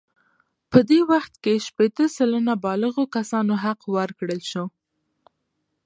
په دې وخت کې شپیته سلنه بالغو کسانو حق ورکړل شو.